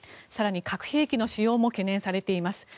更に、核兵器の使用も懸念されています。